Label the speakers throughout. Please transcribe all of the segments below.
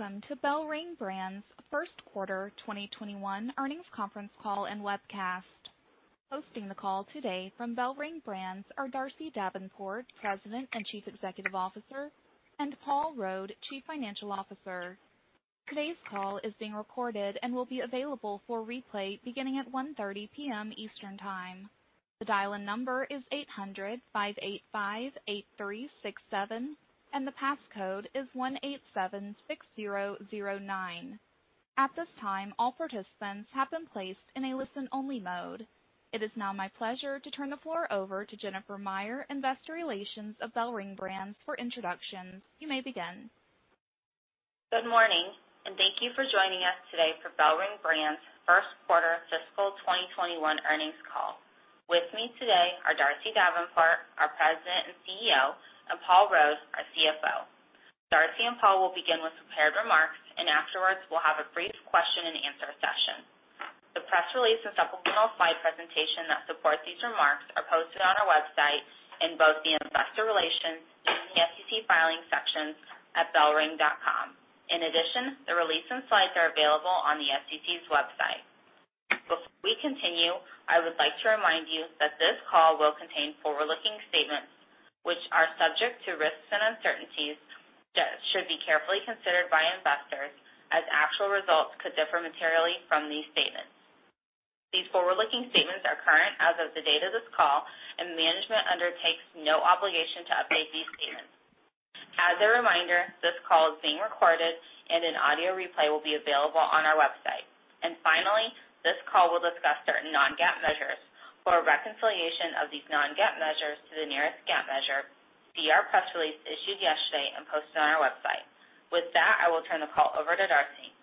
Speaker 1: Welcome to BellRing Brands' First Quarter 2021 Earnings Conference Call and Webcast. Hosting the call today from BellRing Brands are Darcy Davenport, President and Chief Executive Officer, and Paul Rode, Chief Financial Officer. Today's call is being recorded and will be available for replay beginning at 1:30 P.M. Eastern Time. The dial-in number is 800-585-8367 and the passcode is 1876009. At this time, all participants have been placed in a listen-only mode. It is now my pleasure to turn the floor over to Jennifer Meyer, Investor Relations of BellRing Brands, for introductions. You may begin.
Speaker 2: Good morning, and thank you for joining us today for BellRing Brands' first quarter fiscal 2021 earnings call. With me today are Darcy Davenport, our President and CEO, and Paul Rode, our CFO. Darcy and Paul will begin with prepared remarks. Afterwards we'll have a brief question and answer session. The press release and supplemental slide presentation that supports these remarks are posted on our website in both the Investor Relations and the SEC filings sections at bellring.com. In addition, the release and slides are available on the SEC's website. Before we continue, I would like to remind you that this call will contain forward-looking statements, which are subject to risks and uncertainties that should be carefully considered by investors, as actual results could differ materially from these statements. These forward-looking statements are current as of the date of this call, and management undertakes no obligation to update these statements. As a reminder, this call is being recorded and an audio replay will be available on our website. Finally, this call will discuss certain non-GAAP measures. For a reconciliation of these non-GAAP measures to the nearest GAAP measure, see our press release issued yesterday and posted on our website. With that, I will turn the call over to Darcy.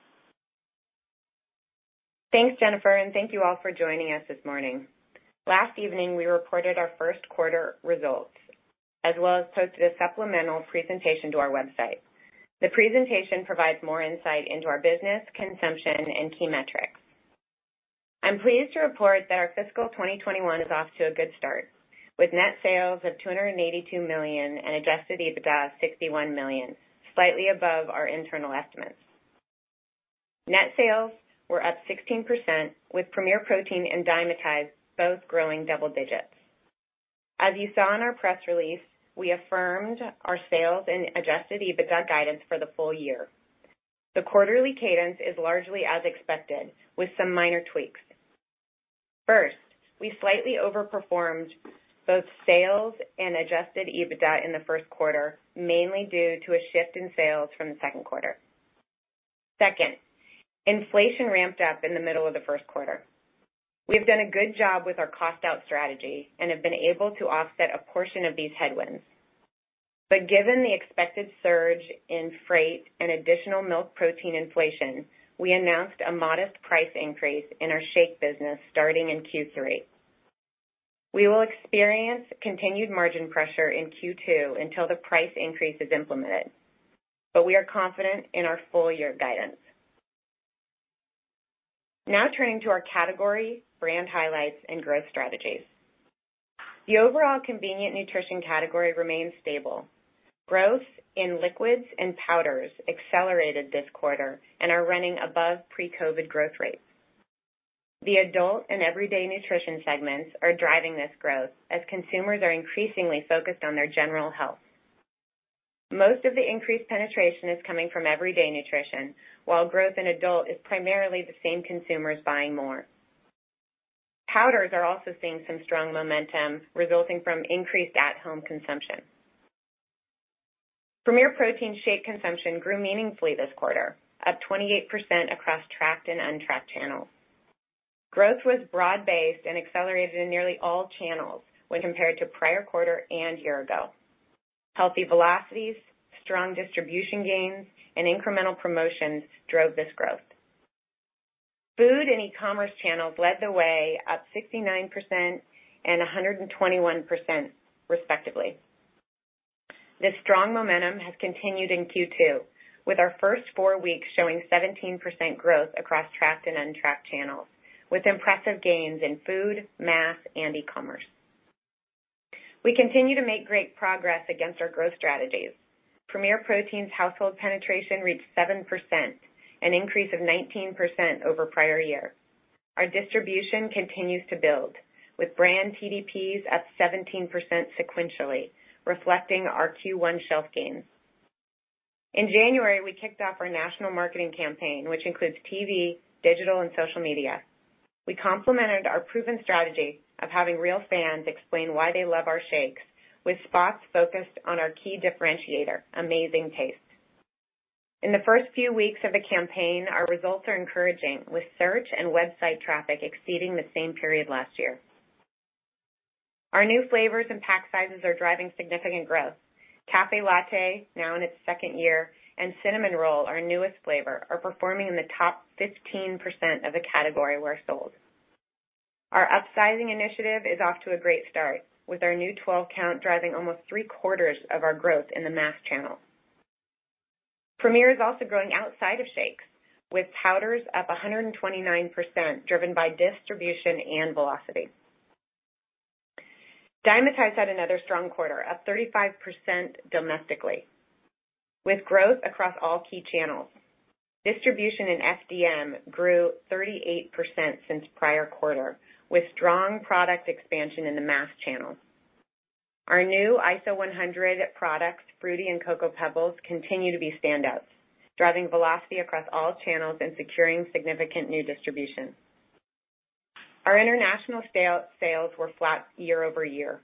Speaker 3: Thanks, Jennifer, and thank you all for joining us this morning. Last evening, we reported our first quarter results, as well as posted a supplemental presentation to our website. The presentation provides more insight into our business, consumption, and key metrics. I'm pleased to report that our fiscal 2021 is off to a good start, with net sales of $282 million and Adjusted EBITDA of $61 million, slightly above our internal estimates. Net sales were up 16%, with Premier Protein and Dymatize both growing double digits. As you saw in our press release, we affirmed our sales and Adjusted EBITDA guidance for the full year. The quarterly cadence is largely as expected, with some minor tweaks. First, we slightly overperformed both sales and Adjusted EBITDA in the first quarter, mainly due to a shift in sales from the second quarter. Second, inflation ramped up in the middle of the first quarter. We've done a good job with our cost out strategy and have been able to offset a portion of these headwinds. Given the expected surge in freight and additional milk protein inflation, we announced a modest price increase in our shake business starting in Q3. We will experience continued margin pressure in Q2 until the price increase is implemented, but we are confident in our full-year guidance. Turning to our category, brand highlights, and growth strategies. The overall convenient nutrition category remains stable. Growth in liquids and powders accelerated this quarter and are running above pre-COVID growth rates. The adult and everyday nutrition segments are driving this growth as consumers are increasingly focused on their general health. Most of the increased penetration is coming from everyday nutrition, while growth in adult is primarily the same consumers buying more. Powders are also seeing some strong momentum resulting from increased at-home consumption. Premier Protein shake consumption grew meaningfully this quarter, up 28% across tracked and untracked channels. Growth was broad-based and accelerated in nearly all channels when compared to prior quarter and year ago. Healthy velocities, strong distribution gains, and incremental promotions drove this growth. Food and e-commerce channels led the way, up 69% and 121%, respectively. This strong momentum has continued in Q2, with our first four weeks showing 17% growth across tracked and untracked channels, with impressive gains in food, mass, and e-commerce. We continue to make great progress against our growth strategies. Premier Protein's household penetration reached 7%, an increase of 19% over prior year. Our distribution continues to build, with brand TDPs up 17% sequentially, reflecting our Q1 shelf gains. In January, we kicked off our national marketing campaign, which includes TV, digital, and social media. We complemented our proven strategy of having real fans explain why they love our shakes with spots focused on our key differentiator, amazing taste. In the first few weeks of the campaign, our results are encouraging, with search and website traffic exceeding the same period last year. Our new flavors and pack sizes are driving significant growth. Café Latte, now in its second year, and Cinnamon Roll, our newest flavor, are performing in the top 15% of the category where sold. Our upsizing initiative is off to a great start, with our new 12-count driving almost three-quarters of our growth in the mass channel. Premier is also growing outside of shakes, with powders up 129%, driven by distribution and velocity. Dymatize had another strong quarter, up 35% domestically, with growth across all key channels. Distribution in FDM grew 38% since prior quarter, with strong product expansion in the mass channels. Our new ISO100 products, Fruity Pebbles and Cocoa Pebbles, continue to be standouts, driving velocity across all channels and securing significant new distribution. Our international sales were flat year-over-year.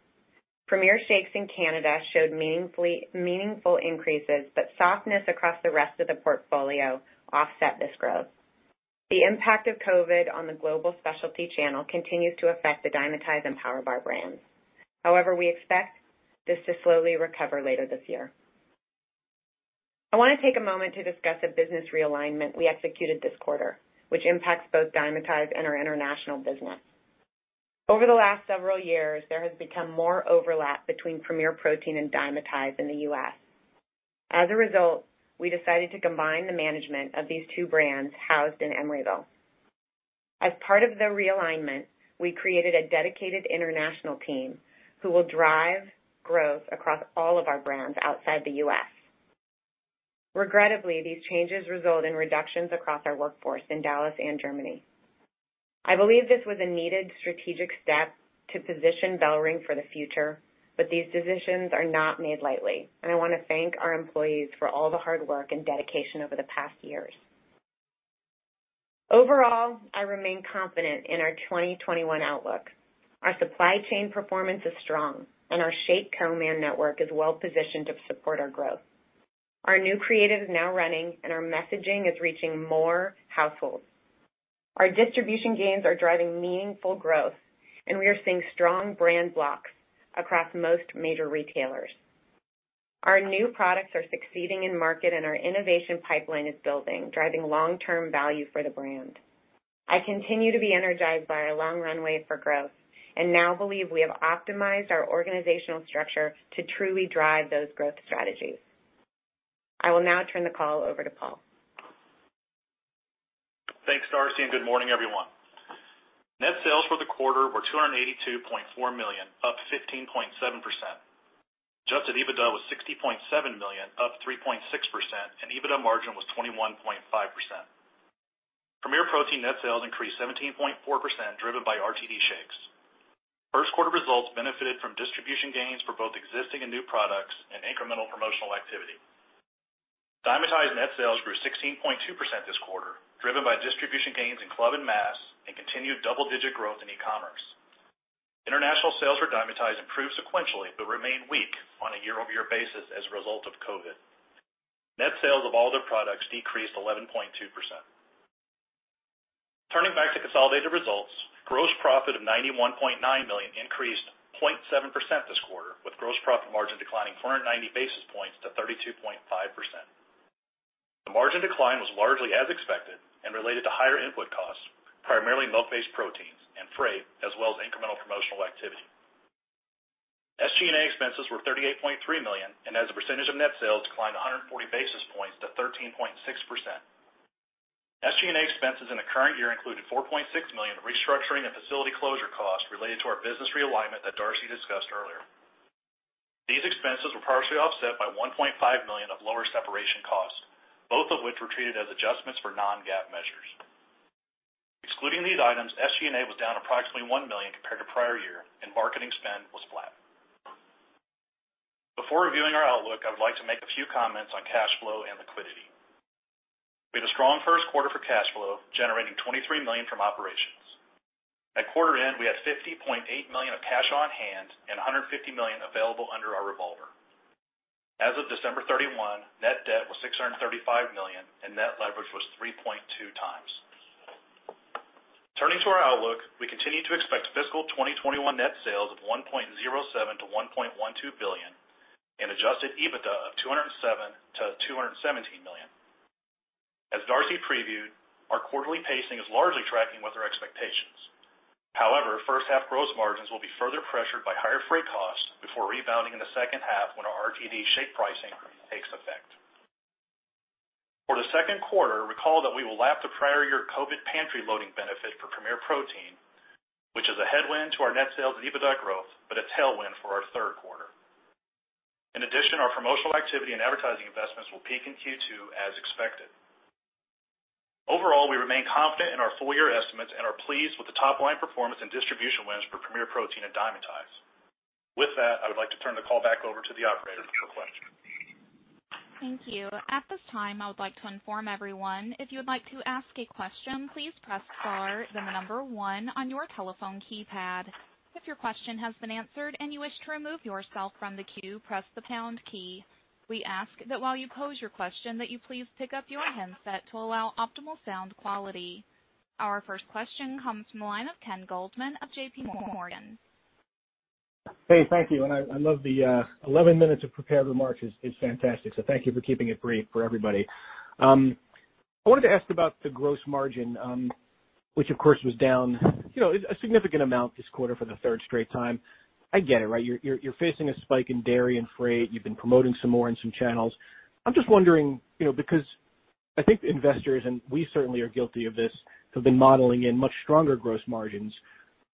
Speaker 3: Premier Shakes in Canada showed meaningful increases, but softness across the rest of the portfolio offset this growth. The impact of COVID on the global specialty channel continues to affect the Dymatize and PowerBar brands. However, we expect this to slowly recover later this year. I want to take a moment to discuss a business realignment we executed this quarter, which impacts both Dymatize and our international business. Over the last several years, there has become more overlap between Premier Protein and Dymatize in the U.S. As a result, we decided to combine the management of these two brands housed in Emeryville. As part of the realignment, we created a dedicated international team who will drive growth across all of our brands outside the U.S. Regrettably, these changes result in reductions across our workforce in Dallas and Germany. I believe this was a needed strategic step to position BellRing for the future, but these decisions are not made lightly, and I want to thank our employees for all the hard work and dedication over the past years. Overall, I remain confident in our 2021 outlook. Our supply chain performance is strong, and our shake co-man network is well-positioned to support our growth. Our new creative is now running, and our messaging is reaching more households. Our distribution gains are driving meaningful growth, and we are seeing strong brand blocks across most major retailers. Our new products are succeeding in market, and our innovation pipeline is building, driving long-term value for the brand. I continue to be energized by our long runway for growth and now believe we have optimized our organizational structure to truly drive those growth strategies. I will now turn the call over to Paul.
Speaker 4: Thanks, Darcy, good morning, everyone. Net sales for the quarter were $282.4 million, up 15.7%. Adjusted EBITDA was $60.7 million, up 3.6%, and EBITDA margin was 21.5%. Premier Protein net sales increased 17.4%, driven by RTD shakes. First quarter results benefited from distribution gains for both existing and new products and incremental promotional activity. Dymatize net sales grew 16.2% this quarter, driven by distribution gains in club and mass and continued double-digit growth in e-commerce. International sales for Dymatize improved sequentially but remained weak on a year-over-year basis as a result of COVID. Net sales of all other products decreased 11.2%. Turning back to consolidated results, gross profit of $91.9 million increased 0.7% this quarter, with gross profit margin declining 490 basis points to 32.5%. The margin decline was largely as expected and related to higher input costs, primarily milk-based proteins and freight, as well as incremental promotional activity. SG&A expenses were $38.3 million, and as a percentage of net sales, climbed 140 basis points to 13.6%. SG&A expenses in the current year included $4.6 million in restructuring and facility closure costs related to our business realignment that Darcy discussed earlier. These expenses were partially offset by $1.5 million of lower separation costs, both of which were treated as adjustments for non-GAAP measures. Excluding these items, SG&A was down approximately $1 million compared to prior year, and marketing spend was flat. Before reviewing our outlook, I would like to make a few comments on cash flow and liquidity. We had a strong first quarter for cash flow, generating $23 million from operations. At quarter end, we had $50.8 million of cash on hand and $150 million available under our revolver. As of December 31, net debt was $635 million, and net leverage was 3.2x. Turning to our outlook, we continue to expect fiscal 2021 net sales of $1.07 billion-$1.12 billion and Adjusted EBITDA of $207 million-$217 million. As Darcy previewed, our quarterly pacing is largely tracking with our expectations. First half gross margins will be further pressured by higher freight costs before rebounding in the second half when our RTD shake pricing takes effect. For the second quarter, recall that we will lap the prior year COVID pantry loading benefit for Premier Protein, which is a headwind to our net sales and EBITDA growth, but a tailwind for our third quarter. Our promotional activity and advertising investments will peak in Q2, as expected. We remain confident in our full-year estimates and are pleased with the top-line performance and distribution wins for Premier Protein and Dymatize. With that, I would like to turn the call back over to the operator for questions.
Speaker 1: Thank you. At this time, I would like to inform everyone, if you would like to ask a question, please press star then the number 1 on your telephone keypad. If your question has been answered and you wish to remove yourself from the queue, press the pound key. We ask that while you pose your question that you please pick up your handset to allow optimal sound quality. Our first question comes from the line of Ken Goldman of JPMorgan.
Speaker 5: Hey, thank you, and I love the 11 minutes of prepared remarks. It's fantastic. Thank you for keeping it brief for everybody. I wanted to ask about the gross margin, which of course was down a significant amount this quarter for the third straight time. I get it, right. You're facing a spike in dairy and freight. You've been promoting some more in some channels. I'm just wondering, because I think investors, and we certainly are guilty of this, have been modeling in much stronger gross margins.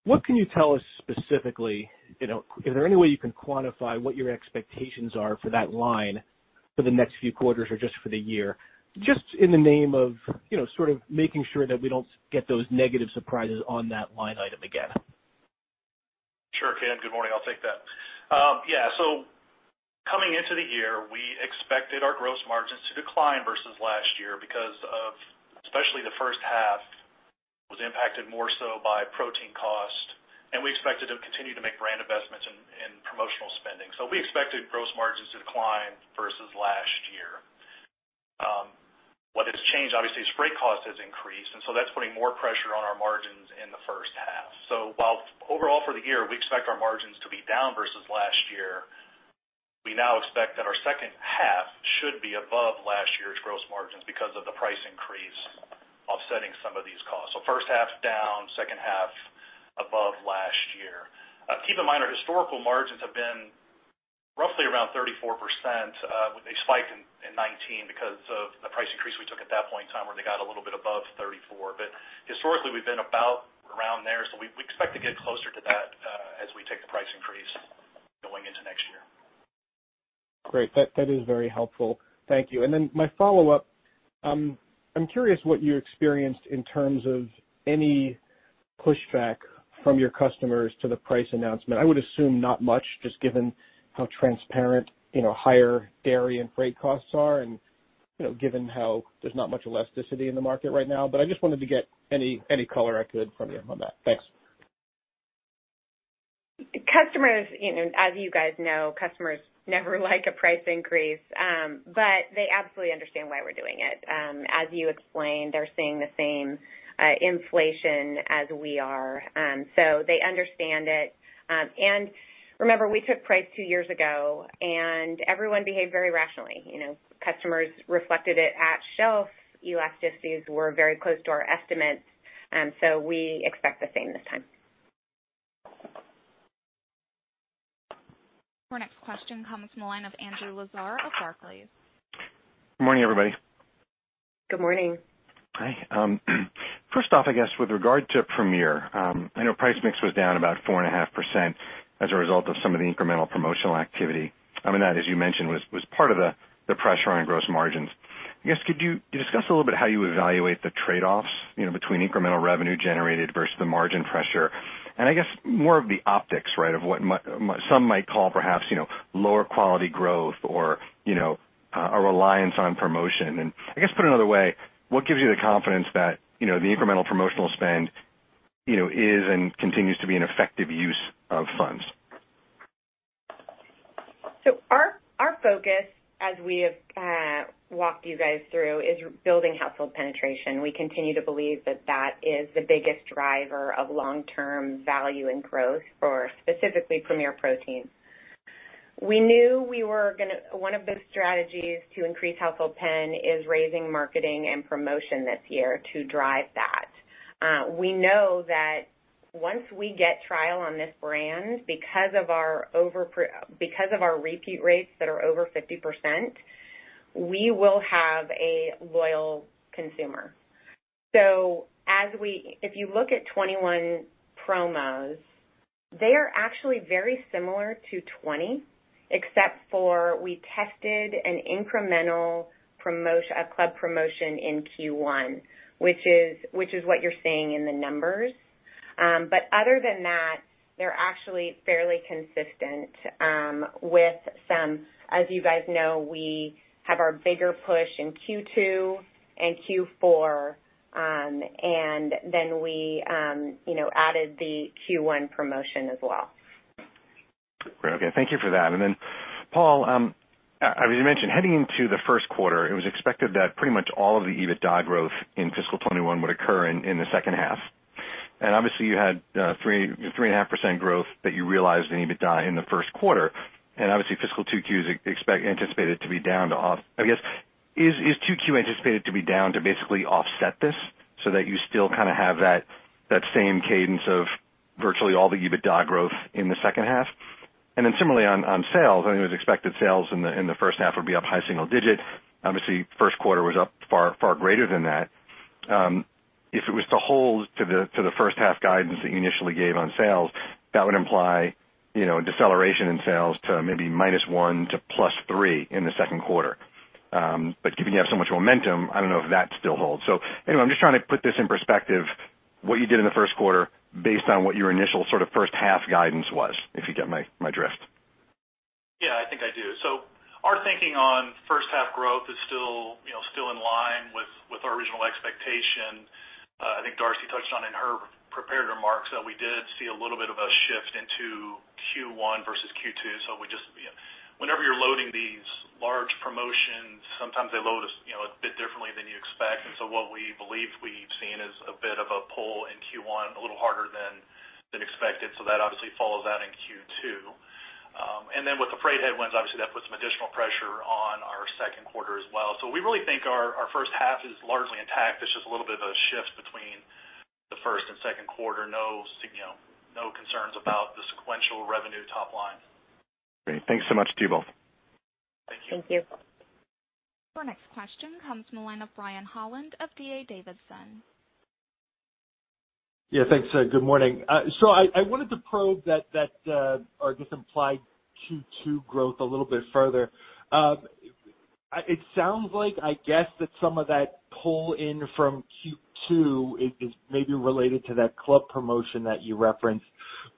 Speaker 5: What can you tell us specifically, is there any way you can quantify what your expectations are for that line for the next few quarters or just for the year? Just in the name of making sure that we don't get those negative surprises on that line item again.
Speaker 4: Sure, Ken. Good morning. I'll take that. Coming into the year, we expected our gross margins to decline versus last year because of, especially the first half was impacted more so by protein cost, and we expected to continue to make brand investments in promotional spending. We expected gross margins to decline versus last year. What has changed, obviously, is freight cost has increased, and so that's putting more pressure on our margins in the first half. While overall for the year, we expect our margins to be down versus last year, we now expect that our second half should be above last year's gross margins because of the price increase offsetting some of these costs. First half down, second half above last year. Keep in mind, our historical margins have been roughly around 34%, with a spike in 2019 because of the price increase we took at that point in time where they got a little bit above 34. Historically, we've been about around there, so we expect to get closer to that as we take the price increase going into next year.
Speaker 5: Great. That is very helpful. Thank you. My follow-up, I am curious what you experienced in terms of any pushback from your customers to the price announcement. I would assume not much, just given how transparent higher dairy and freight costs are and given how there is not much elasticity in the market right now. I just wanted to get any color I could from you on that. Thanks.
Speaker 3: Customers, as you guys know, customers never like a price increase. They absolutely understand why we're doing it. As you explained, they're seeing the same inflation as we are. They understand it. Remember, we took price two years ago, and everyone behaved very rationally. Customers reflected it at shelf. Elasticities were very close to our estimates. We expect the same this time.
Speaker 1: Our next question comes from the line of Andrew Lazar of Barclays.
Speaker 6: Good morning, everybody.
Speaker 3: Good morning.
Speaker 6: Hi. First off, I guess, with regard to Premier, I know price mix was down about 4.5% as a result of some of the incremental promotional activity. I mean, that, as you mentioned, was part of the pressure on gross margins. I guess could you discuss a little bit how you evaluate the trade-offs between incremental revenue generated versus the margin pressure and I guess more of the optics of what some might call perhaps lower quality growth or a reliance on promotion? I guess put another way, what gives you the confidence that the incremental promotional spend is and continues to be an effective use of funds?
Speaker 3: Our focus, as we have walked you guys through, is building household penetration. We continue to believe that that is the biggest driver of long-term value and growth for specifically Premier Protein. One of the strategies to increase household pen is raising marketing and promotion this year to drive that. We know that once we get trial on this brand, because of our repeat rates that are over 50%, we will have a loyal consumer. If you look at 2021 promos, they are actually very similar to 2020 except for we tested an incremental club promotion in Q1, which is what you're seeing in the numbers. Other than that, they're actually fairly consistent with. As you guys know, we have our bigger push in Q2 and Q4, and then we added the Q1 promotion as well.
Speaker 6: Great. Okay. Thank you for that. Then Paul, as you mentioned, heading into the first quarter, it was expected that pretty much all of the EBITDA growth in fiscal 2021 would occur in the second half. Obviously you had 3.5% growth that you realized in EBITDA in the first quarter, and obviously fiscal 2Q's anticipated to be down to, I guess, is 2Q anticipated to be down to basically offset this so that you still kind of have that same cadence of virtually all the EBITDA growth in the second half? Similarly on sales, I think it was expected sales in the first half would be up high single digit. Obviously, first quarter was up far greater than that. If it was to hold to the first half guidance that you initially gave on sales, that would imply a deceleration in sales to maybe -1% to +3% in the second quarter. Given you have so much momentum, I don't know if that still holds. Anyway, I'm just trying to put this in perspective, what you did in the first quarter based on what your initial first half guidance was, if you get my drift.
Speaker 4: I think I do. Our thinking on first half growth is still in line with our original expectation. I think Darcy touched on in her prepared remarks that we did see a little bit of a shift into Q1 versus Q2. Whenever you're loading these large promotions, sometimes they load a bit differently than you expect. What we believe we've seen is a bit of a pull in Q1, a little harder than expected. That obviously follows that in Q2. Then with the freight headwinds, obviously that puts some additional pressure on our second quarter as well. We really think our first half is largely intact. It's just a little bit of a shift between the first and second quarter. No concerns about the sequential revenue top line.
Speaker 6: Great. Thanks so much to you both.
Speaker 4: Thank you.
Speaker 3: Thank you.
Speaker 1: Our next question comes from the line of Brian Holland of D.A. Davidson.
Speaker 7: Yeah, thanks. Good morning. I wanted to probe that or just imply Q2 growth a little bit further. It sounds like, I guess that some of that pull in from Q2 is maybe related to that club promotion that you referenced.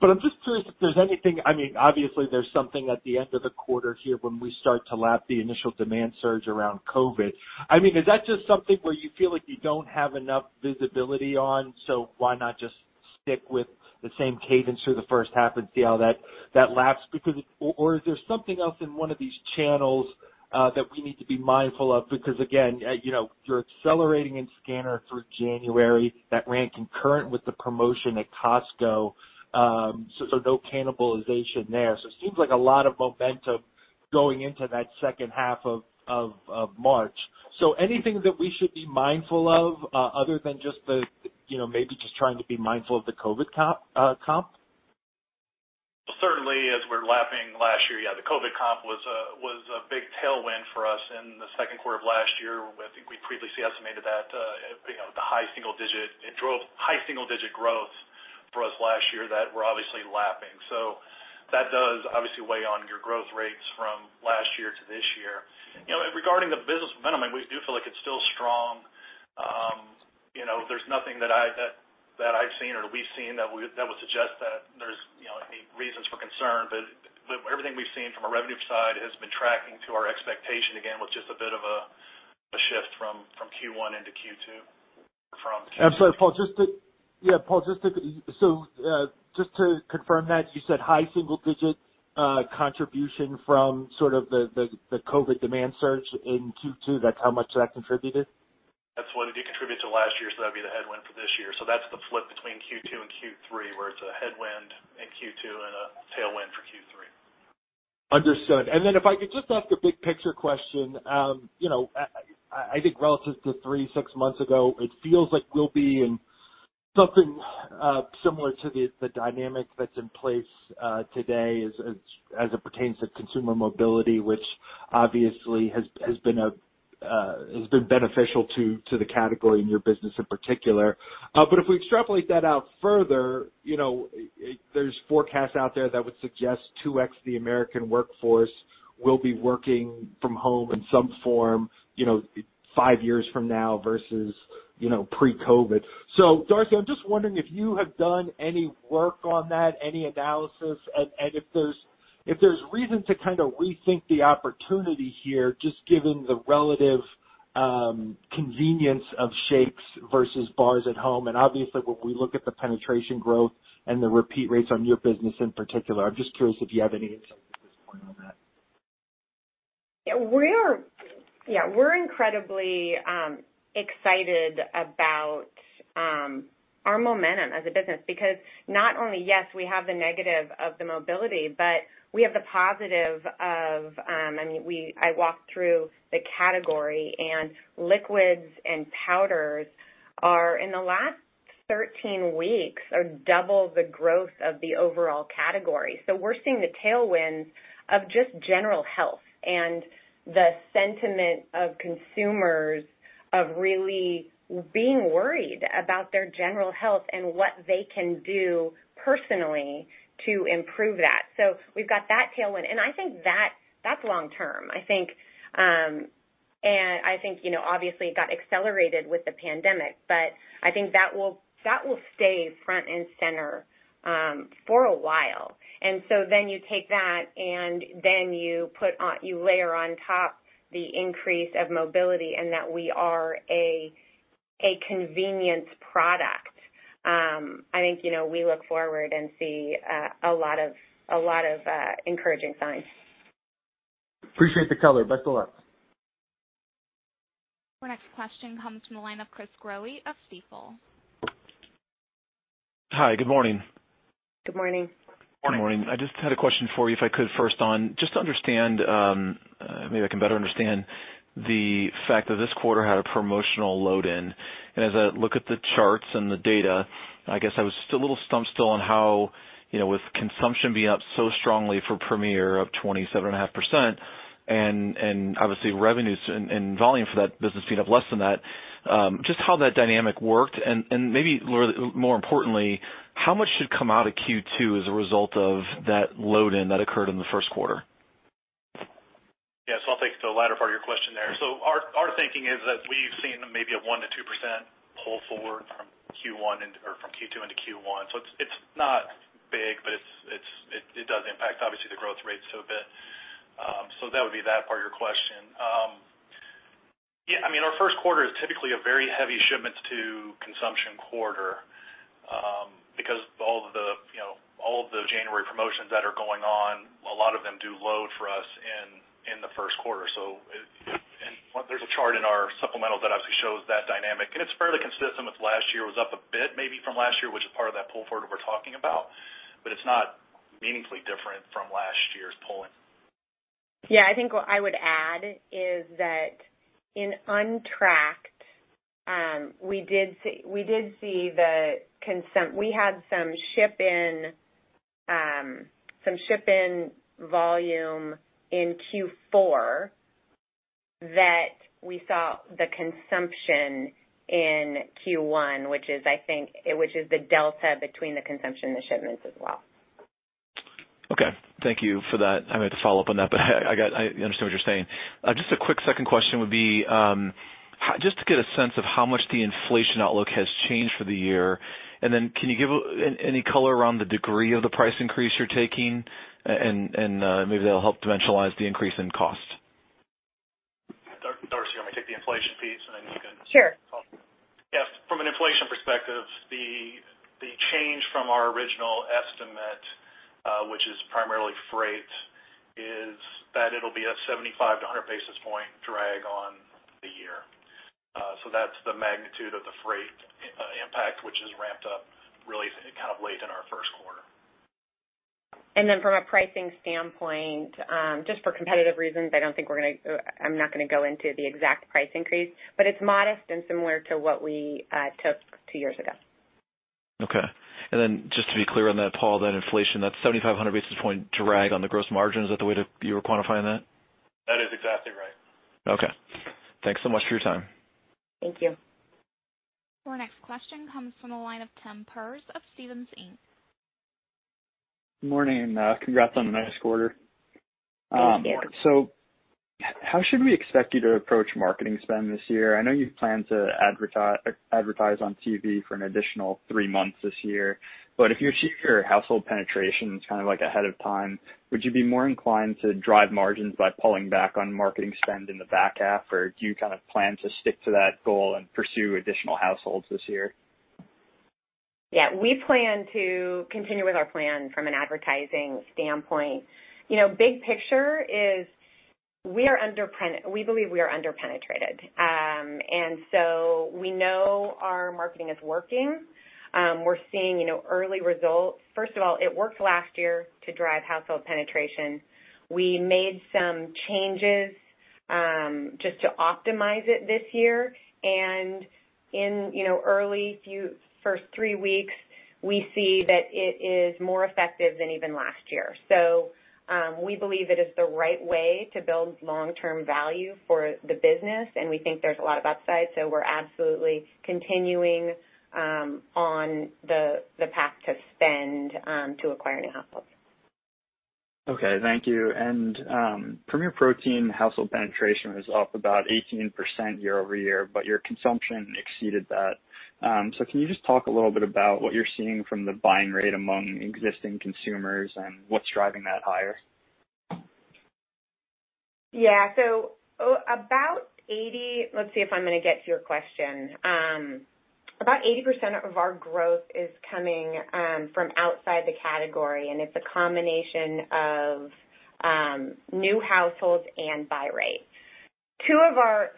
Speaker 7: I'm just curious if there's anything, obviously there's something at the end of the quarter here when we start to lap the initial demand surge around COVID. Is that just something where you feel like you don't have enough visibility on, so why not just stick with the same cadence through the first half and see how that laps? Is there something else in one of these channels that we need to be mindful of? Again, you're accelerating in scanner through January, that ran concurrent with the promotion at Costco, so no cannibalization there. It seems like a lot of momentum going into that second half of March, anything that we should be mindful of, other than just maybe just trying to be mindful of the COVID comp?
Speaker 4: Certainly, as we're lapping last year, yeah, the COVID comp was a big tailwind for us in the second quarter of last year. I think we previously estimated that the high single-digit, it drove high single-digit growth for us last year that we're obviously lapping. That does obviously weigh on your growth rates from last year to this year. Regarding the business momentum, we do feel like it's still strong. There's nothing that I've seen or we've seen that would suggest that there's any reasons for concern. Everything we've seen from a revenue side has been tracking to our expectation, again, with just a bit of a shift from Q1 into Q2.
Speaker 7: I'm sorry, Paul, just to confirm that, you said high single digit contribution from sort of the COVID demand surge in Q2. That's how much that contributed?
Speaker 4: That's what it contributed to last year, so that'd be the headwind for this year. That's the flip between Q2 and Q3, where it's a headwind in Q2 and a tailwind for Q3.
Speaker 7: Understood. If I could just ask a big picture question. I think relative to three, six months ago, it feels like we'll be in something similar to the dynamic that's in place today as it pertains to consumer mobility, which obviously has been beneficial to the category and your business in particular. If we extrapolate that out further, there's forecasts out there that would suggest 2x the American workforce will be working from home in some form, five years from now versus pre-COVID. Darcy, I'm just wondering if you have done any work on that, any analysis, and if there's reason to kind of rethink the opportunity here, just given the relative convenience of shakes versus bars at home. Obviously when we look at the penetration growth and the repeat rates on your business in particular. I'm just curious if you have any insights at this point on that?
Speaker 3: We're incredibly excited about our momentum as a business because not only, yes, we have the negative of the mobility, but we have the positive of, I walked through the category, and liquids and powders are, in the last 13 weeks, are double the growth of the overall category. We're seeing the tailwinds of just general health and the sentiment of consumers of really being worried about their general health and what they can do personally to improve that. We've got that tailwind, and I think that's long-term. I think, obviously it got accelerated with the pandemic, but I think that will stay front and center for a while. Then you take that and then you layer on top the increase of mobility and that we are a convenience product. I think we look forward and see a lot of encouraging signs.
Speaker 7: Appreciate the color. Best of luck.
Speaker 1: Our next question comes from the line of Chris Growe of Stifel.
Speaker 8: Hi. Good morning.
Speaker 3: Good morning.
Speaker 4: Good morning.
Speaker 8: Good morning. I just had a question for you, if I could, first on, just to understand, maybe I can better understand the fact that this quarter had a promotional load in. As I look at the charts and the data, I guess I was a little stumped still on how, with consumption being up so strongly for Premier of 27.5% and obviously revenues and volume for that business being up less than that, just how that dynamic worked. Maybe more importantly, how much should come out of Q2 as a result of that load in that occurred in the first quarter?
Speaker 4: Yeah. I'll take the latter part of your question there. Our thinking is that we've seen maybe a 1%-2% pull forward from Q2 into Q1. That would be that part of your question. Yeah, our first quarter is typically a very heavy shipments to consumption quarter. All of the January promotions that are going on, a lot of them do load for us in the first quarter. There's a chart in our supplemental that obviously shows that dynamic, and it's fairly consistent with last year. It was up a bit maybe from last year, which is part of that pull forward we're talking about, but it's not meaningfully different from last year's pull-in.
Speaker 3: Yeah, I think what I would add is that in untracked, we had some ship-in volume in Q4 that we saw the consumption in Q1, which is the delta between the consumption and the shipments as well.
Speaker 8: Okay. Thank you for that. I meant to follow up on that, but I understand what you're saying. Just a quick second question would be, just to get a sense of how much the inflation outlook has changed for the year, and then can you give any color around the degree of the price increase you're taking, and maybe that'll help dimensionalize the increase in cost.
Speaker 4: Darcy, you want me to take the inflation piece.
Speaker 3: Sure
Speaker 4: Yeah. From an inflation perspective, the change from our original estimate, which is primarily freight, is that it'll be a 75-100 basis point drag on the year. That's the magnitude of the freight impact, which is ramped up really kind of late in our first quarter.
Speaker 3: From a pricing standpoint, just for competitive reasons, I'm not going to go into the exact price increase, but it's modest and similar to what we took two years ago.
Speaker 8: Okay. Just to be clear on that, Paul, that inflation, that's 75-100 basis point drag on the gross margin. Is that the way that you were quantifying that?
Speaker 4: That is exactly right.
Speaker 8: Okay. Thanks so much for your time.
Speaker 3: Thank you.
Speaker 1: Our next question comes from the line of Tim Perz of Stephens Inc.
Speaker 9: Morning. Congrats on a nice quarter.
Speaker 3: Thank you.
Speaker 9: How should we expect you to approach marketing spend this year? I know you plan to advertise on TV for an additional three months this year. If you achieve your household penetration kind of ahead of time, would you be more inclined to drive margins by pulling back on marketing spend in the back half, or do you kind of plan to stick to that goal and pursue additional households this year?
Speaker 3: Yeah. We plan to continue with our plan from an advertising standpoint. Big picture is we believe we are under-penetrated. We know our marketing is working. We're seeing early results. First of all, it worked last year to drive household penetration. We made some changes just to optimize it this year. In early first three weeks, we see that it is more effective than even last year. We believe it is the right way to build long-term value for the business, and we think there's a lot of upside, so we're absolutely continuing on the path to spend to acquire new households.
Speaker 9: Okay. Thank you. Premier Protein household penetration was up about 18% year-over-year, but your consumption exceeded that. Can you just talk a little bit about what you're seeing from the buying rate among existing consumers and what's driving that higher?
Speaker 3: Yeah. Let's see if I'm going to get to your question. It's a combination of new households and buy rate.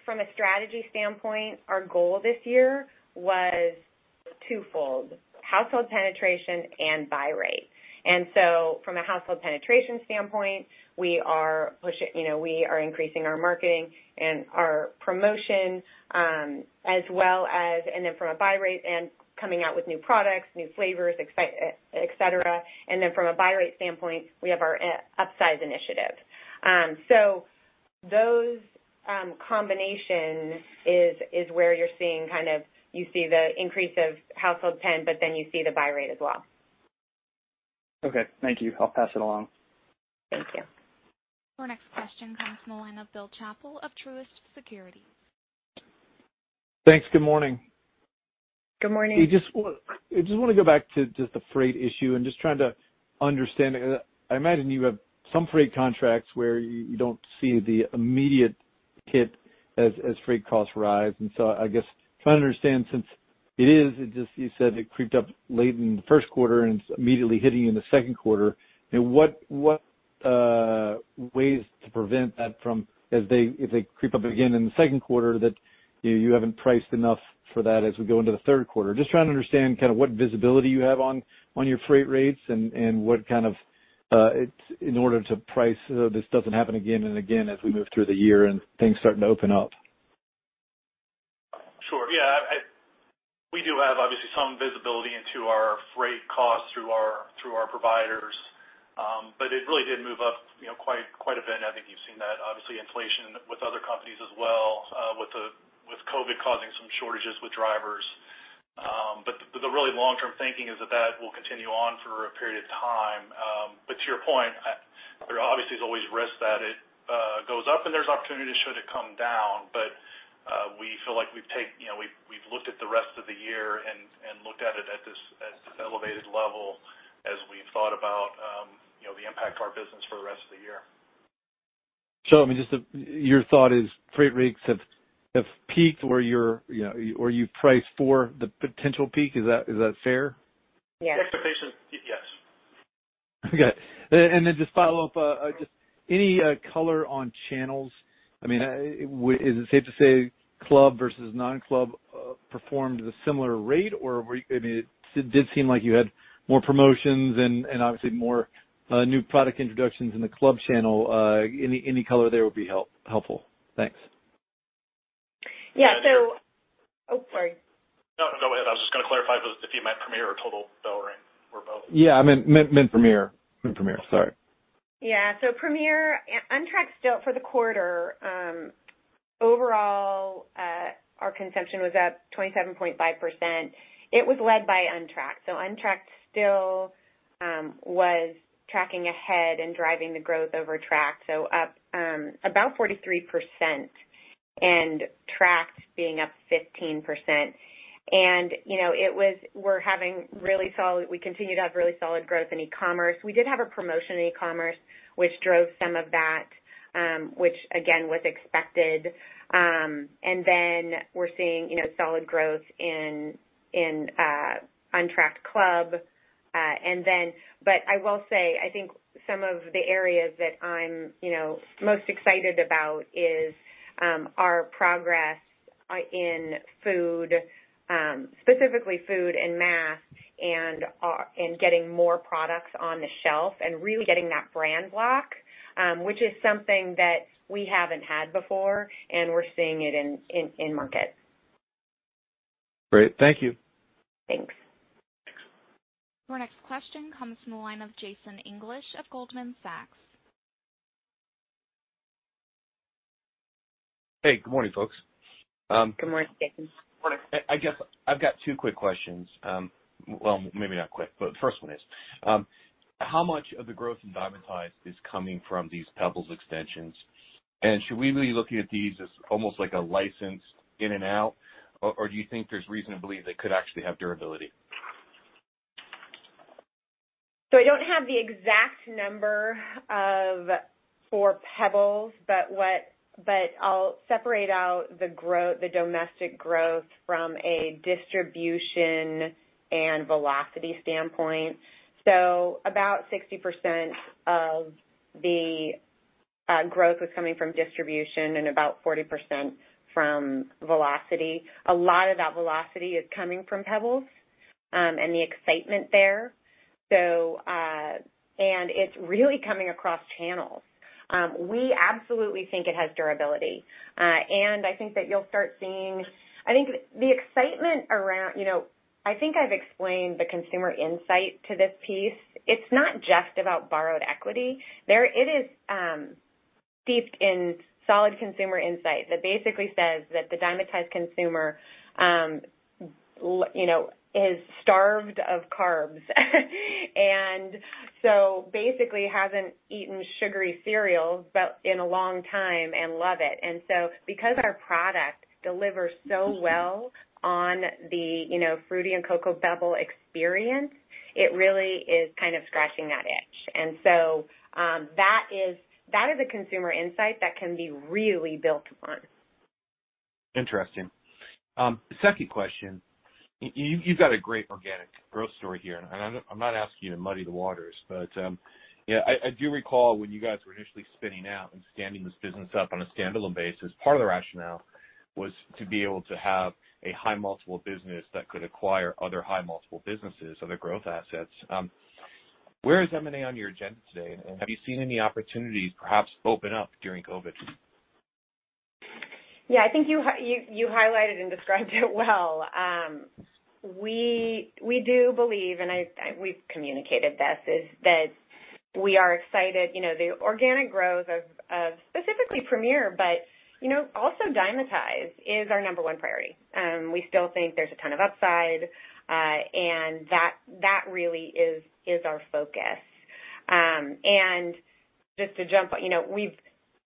Speaker 3: From a strategy standpoint, our goal this year was twofold: household penetration and buy rate. From a household penetration standpoint, we are increasing our marketing and our promotion, and then from a buy rate and coming out with new products, new flavors, et cetera. From a buy rate standpoint, we have our upsize initiative. Those combination is where you're seeing the increase of household pen, but then you see the buy rate as well.
Speaker 9: Okay. Thank you. I'll pass it along.
Speaker 3: Thank you.
Speaker 1: Our next question comes from the line of Bill Chappell of Truist Securities.
Speaker 10: Thanks. Good morning.
Speaker 3: Good morning.
Speaker 10: I just want to go back to just the freight issue and just trying to understand. I imagine you have some freight contracts where you don't see the immediate hit as freight costs rise. I guess trying to understand since it is, you said it creeped up late in the first quarter and it's immediately hitting you in the second quarter. What ways to prevent that from, if they creep up again in the second quarter, that you haven't priced enough for that as we go into the third quarter? Just trying to understand kind of what visibility you have on your freight rates and what kind of, in order to price so this doesn't happen again and again as we move through the year and things starting to open up?
Speaker 4: Sure. Yeah. We do have, obviously, some visibility into our freight costs through our providers. It really did move up quite a bit, and I think you've seen that, obviously, inflation with other companies as well, with COVID causing some shortages with drivers. The really long-term thinking is that that will continue on for a period of time. To your point, there obviously is always risk that it goes up and there's opportunity, sure, to come down. We feel like we've looked at the rest of the year and looked at it at this elevated level as we thought about the impact to our business for the rest of the year.
Speaker 10: Your thought is freight rates have peaked or you've priced for the potential peak. Is that fair?
Speaker 3: Yes.
Speaker 4: Expectation is GPS.
Speaker 10: Okay. Just follow up, just any color on channels? Is it safe to say club versus non-club performed at a similar rate? It did seem like you had more promotions and obviously more new product introductions in the club channel. Any color there would be helpful. Thanks.
Speaker 3: Yeah. Oh, sorry.
Speaker 4: No, go ahead. I was just going to clarify if you meant Premier or total BellRing, or both.
Speaker 10: Yeah, I meant Premier. Sorry.
Speaker 3: Yeah. Premier on track still for the quarter. Overall, our consumption was up 27.5%. It was led by on track. on track still was tracking ahead and driving the growth over track. up about 43% and track being up 15%. We continue to have really solid growth in e-commerce. We did have a promotion in e-commerce, which drove some of that, which again, was expected. We're seeing solid growth in on track club. I will say, I think some of the areas that I'm most excited about is our progress in food, specifically food and mass, and getting more products on the shelf and really getting that brand block, which is something that we haven't had before, and we're seeing it in market.
Speaker 10: Great. Thank you.
Speaker 3: Thanks.
Speaker 4: Thanks.
Speaker 1: Your next question comes from the line of Jason English of Goldman Sachs.
Speaker 11: Hey, good morning, folks.
Speaker 3: Good morning, Jason.
Speaker 4: Morning.
Speaker 11: I guess I've got two quick questions. Well, maybe not quick, the first one is how much of the growth in Dymatize is coming from these Pebbles extensions? Should we be looking at these as almost like a license in and out? Do you think there's reason to believe they could actually have durability?
Speaker 3: I don't have the exact number for Pebbles, but I'll separate out the domestic growth from a distribution and velocity standpoint. About 60% of the growth was coming from distribution and about 40% from velocity. A lot of that velocity is coming from Pebbles, and the excitement there. It's really coming across channels. We absolutely think it has durability. I think I've explained the consumer insight to this piece. It's not just about borrowed equity. It is steeped in solid consumer insight that basically says that the Dymatize consumer is starved of carbs and so basically hasn't eaten sugary cereals in a long time and love it. Because our product delivers so well on the Fruity Pebbles and Cocoa Pebbles experience, it really is kind of scratching that itch. That is a consumer insight that can be really built upon.
Speaker 11: Interesting. Second question. You've got a great organic growth story here, and I'm not asking you to muddy the waters, but I do recall when you guys were initially spinning out and standing this business up on a standalone basis, part of the rationale was to be able to have a high multiple business that could acquire other high multiple businesses, other growth assets. Where is M&A on your agenda today, and have you seen any opportunities perhaps open up during COVID?
Speaker 3: Yeah, I think you highlighted and described it well. We do believe, and we've communicated this, is that we are excited. The organic growth of specifically Premier, but also Dymatize, is our number 1 priority. We still think there's a ton of upside, and that really is our focus. Just to jump,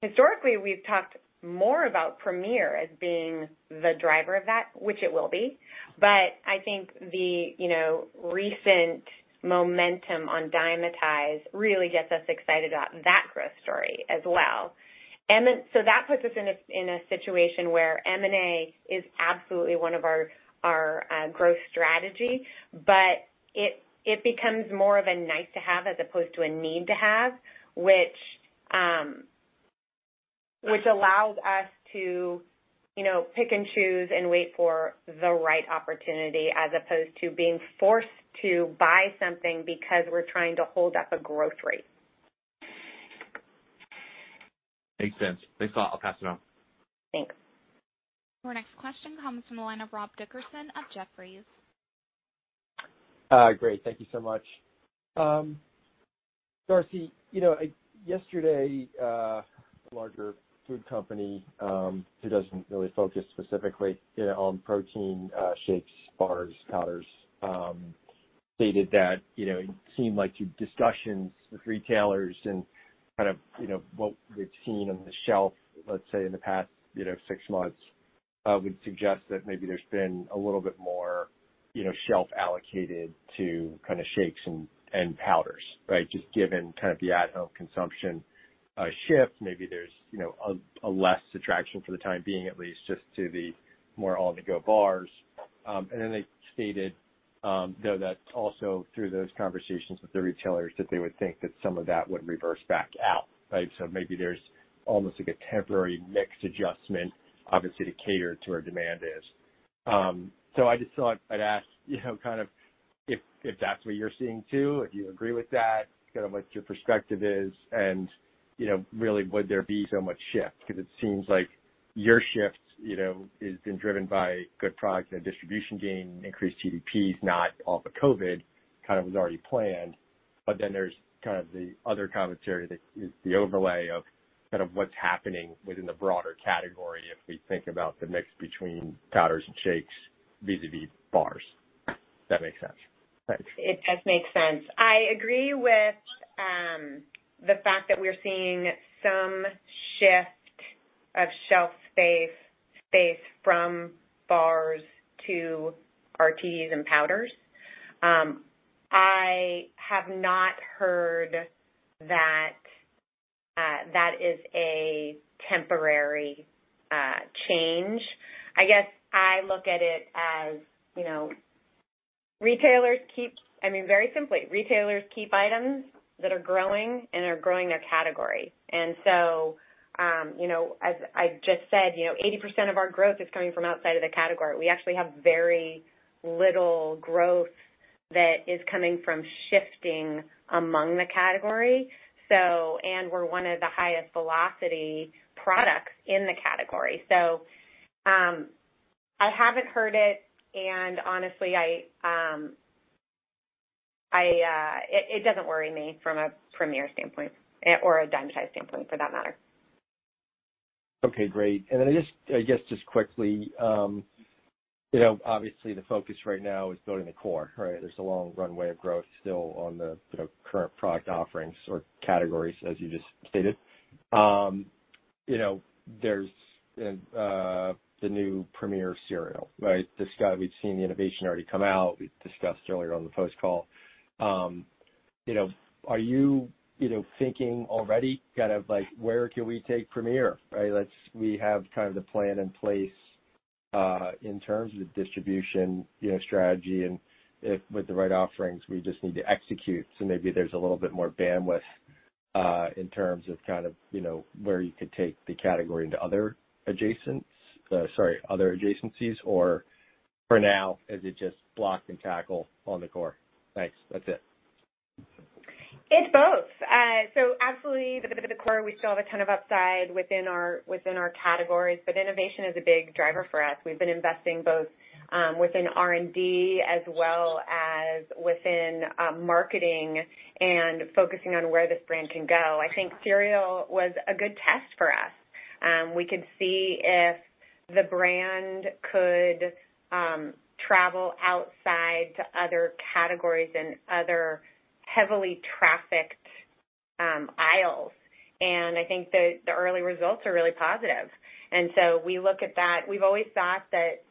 Speaker 3: historically we've talked more about Premier as being the driver of that, which it will be. I think the recent momentum on Dymatize really gets us excited about that growth story as well. That puts us in a situation where M&A is absolutely one of our growth strategy, but it becomes more of a nice to have as opposed to a need to have, which allows us to pick and choose and wait for the right opportunity as opposed to being forced to buy something because we're trying to hold up a growth rate.
Speaker 11: Makes sense. Thanks a lot. I'll pass it on.
Speaker 3: Thanks.
Speaker 1: Your next question comes from the line of Rob Dickerson of Jefferies.
Speaker 12: Great. Thank you so much. Darcy, yesterday, a larger food company, who doesn't really focus specifically on protein shakes, bars, powders, stated that it seemed like your discussions with retailers and what we've seen on the shelf, let's say, in the past 6 months, would suggest that maybe there's been a little bit more shelf allocated to shakes and powders, right? Just given the at-home consumption shift. Maybe there's a less attraction for the time being, at least, just to the more on-the-go bars. They stated, though, that also through those conversations with the retailers, that they would think that some of that would reverse back out. Maybe there's almost like a temporary mix adjustment, obviously, to cater to where demand is. I just thought I'd ask if that's what you're seeing too, if you agree with that, what your perspective is, and really would there be so much shift? It seems like your shift has been driven by good product and a distribution gain, increased TDPs, not all the COVID, was already planned. There's the other commentary that is the overlay of what's happening within the broader category, if we think about the mix between powders and shakes vis-a-vis bars. If that makes sense. Thanks.
Speaker 3: It does make sense. I agree with the fact that we're seeing some shift of shelf space from bars to RTDs and powders. I have not heard that that is a temporary change. I guess I look at it as, very simply, retailers keep items that are growing and are growing their category. As I just said, 80% of our growth is coming from outside of the category. We actually have very little growth that is coming from shifting among the category. We're one of the highest velocity products in the category. I haven't heard it and honestly, it doesn't worry me from a Premier standpoint or a Dymatize standpoint for that matter.
Speaker 12: Okay, great. I guess just quickly, obviously the focus right now is building the core, right? There's a long runway of growth still on the current product offerings or categories as you just stated. There's the new Premier cereal, right? We've seen the innovation already come out. We discussed earlier on the post call. Are you thinking already like, where can we take Premier? We have the plan in place, in terms of distribution strategy, and if with the right offerings, we just need to execute. Maybe there's a little bit more bandwidth, in terms of where you could take the category into other adjacencies or for now, is it just block and tackle on the core? Thanks. That's it.
Speaker 3: It's both. Absolutely the core, we still have a ton of upside within our categories, but innovation is a big driver for us. We've been investing both within R&D as well as within marketing and focusing on where this brand can go. I think cereal was a good test for us. We could see if the brand could travel outside to other categories and other heavily trafficked aisles. I think the early results are really positive. We look at that. We've always thought that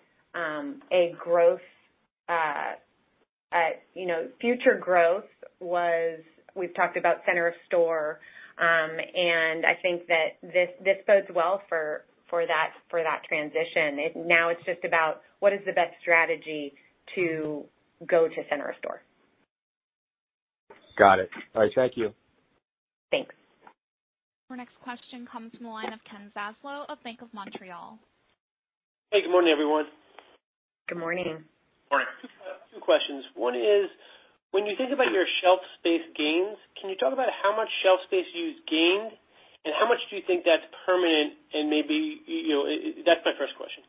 Speaker 3: we've talked about center of store. I think that this bodes well for that transition. Now it's just about what is the best strategy to go to center of store.
Speaker 12: Got it. All right, thank you.
Speaker 3: Thanks.
Speaker 1: Our next question comes from the line of Ken Zaslow of Bank of Montreal.
Speaker 13: Hey, good morning, everyone.
Speaker 3: Good morning.
Speaker 4: Morning.
Speaker 13: Two questions. One is, when you think about your shelf space gains, can you talk about how much shelf space you've gained, and how much do you think that's permanent? That's my first question.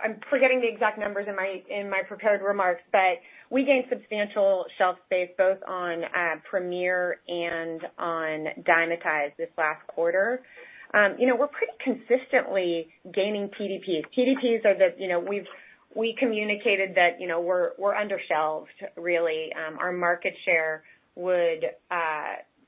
Speaker 3: I'm forgetting the exact numbers in my prepared remarks, but we gained substantial shelf space both on Premier and on Dymatize this last quarter. We're pretty consistently gaining TDPs. TDPs are we communicated that we're under-shelved really.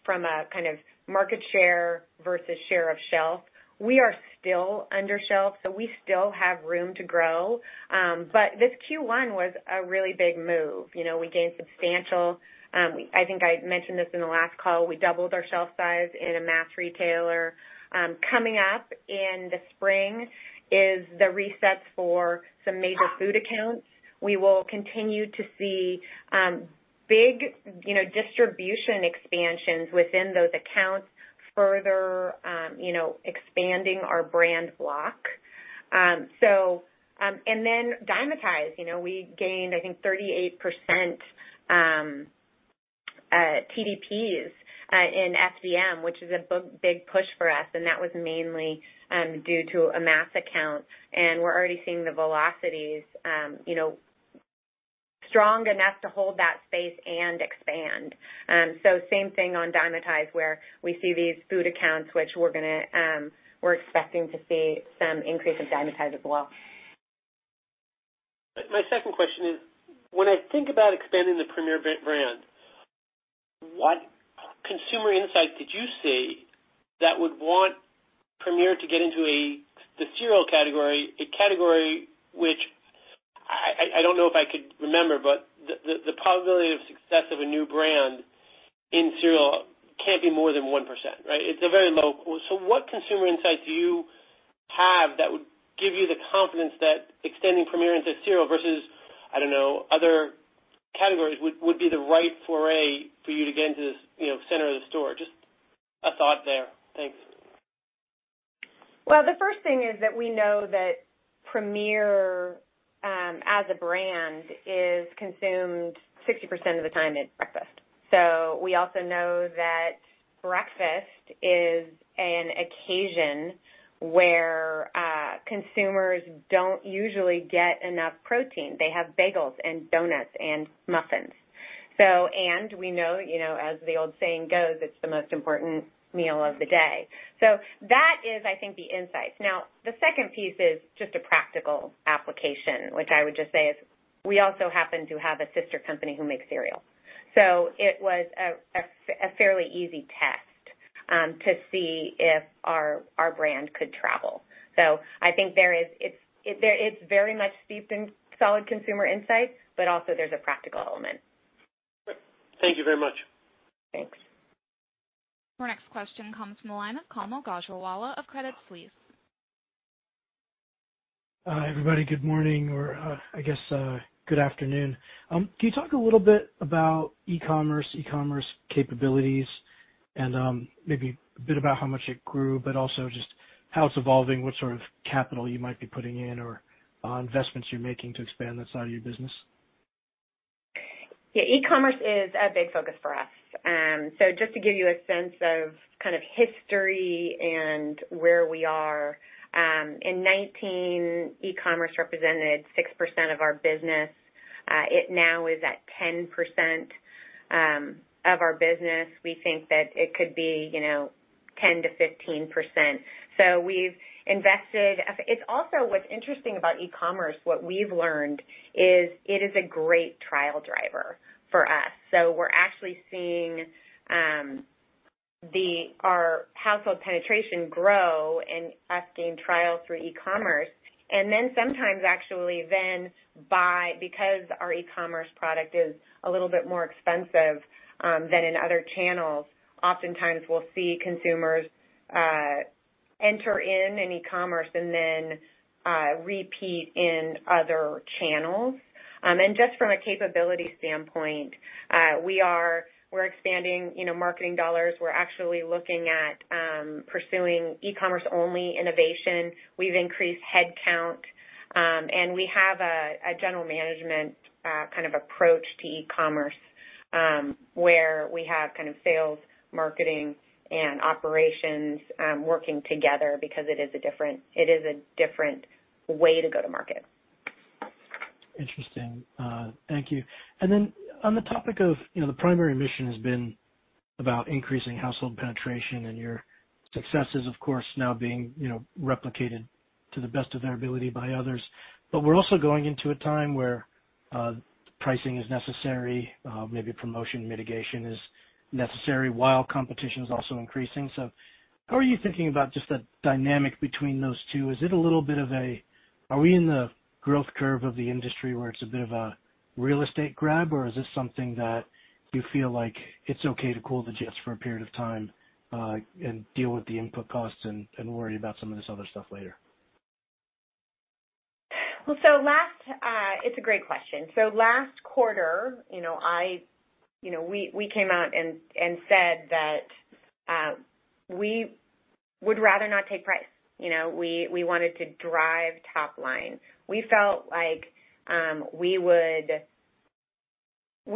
Speaker 3: From a kind of market share versus share of shelf, we are still under-shelved, we still have room to grow. This Q1 was a really big move. We gained substantial. I think I mentioned this in the last call. We doubled our shelf size in a mass retailer. Coming up in the spring is the resets for some major food accounts. We will continue to see big distribution expansions within those accounts further expanding our brand block. Dymatize, we gained, I think 38% TDPs in FDM, which is a big push for us, and that was mainly due to a mass account. We're already seeing the velocities strong enough to hold that space and expand. Same thing on Dymatize, where we see these food accounts, which we're expecting to see some increase in Dymatize as well.
Speaker 13: My second question is, when I think about expanding the Premier brand, what consumer insight did you see that would want Premier to get into the cereal category, a category which I don't know if I could remember, but the probability of success of a new brand in cereal can't be more than 1%, right? What consumer insight do you have that would give you the confidence that extending Premier into cereal versus, I don't know, other categories would be the right foray for you to get into the center of the store? Just a thought there. Thanks.
Speaker 3: The first thing is that we know that Premier, as a brand, is consumed 60% of the time at breakfast. We also know that breakfast is an occasion where consumers don't usually get enough protein. They have bagels and donuts and muffins. We know, as the old saying goes, it's the most important meal of the day. That is, I think, the insight. The second piece is just a practical application, which I would just say is we also happen to have a sister company who makes cereal. It was a fairly easy test to see if our brand could travel. I think it's very much steeped in solid consumer insights, but also there's a practical element.
Speaker 13: Thank you very much.
Speaker 3: Thanks.
Speaker 1: Our next question comes from the line of Kaumil Gajrawala of Credit Suisse.
Speaker 14: Hi, everybody. Good morning, or I guess good afternoon. Can you talk a little bit about e-commerce, e-commerce capabilities and maybe a bit about how much it grew, but also just how it's evolving, what sort of capital you might be putting in or investments you're making to expand that side of your business?
Speaker 3: E-commerce is a big focus for us. Just to give you a sense of kind of history and where we are. In 2019, e-commerce represented 6% of our business. It now is at 10% of our business. We think that it could be 10%-15%. We've invested. What's interesting about e-commerce, what we've learned, is it is a great trial driver for us. We're actually seeing our household penetration grow and us gain trial through e-commerce. Sometimes actually then buy because our e-commerce product is a little bit more expensive than in other channels. Oftentimes, we'll see consumers enter in an e-commerce and then repeat in other channels. Just from a capability standpoint, we're expanding marketing dollars. We're actually looking at pursuing e-commerce only innovation. We've increased headcount. We have a general management kind of approach to e-commerce, where we have kind of sales, marketing, and operations working together because it is a different way to go to market.
Speaker 14: Interesting. Thank you. On the topic of the primary mission has been about increasing household penetration and your successes, of course, now being replicated to the best of their ability by others. We're also going into a time where pricing is necessary, maybe promotion mitigation is necessary, while competition is also increasing. How are you thinking about just the dynamic between those two? Are we in the growth curve of the industry where it's a bit of a real estate grab, or is this something that you feel like it's okay to cool the jets for a period of time and deal with the input costs and worry about some of this other stuff later?
Speaker 3: It's a great question. Last quarter, we came out and said that we would rather not take price. We wanted to drive top line. We felt like we